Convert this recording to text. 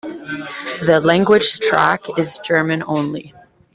The language track is German only.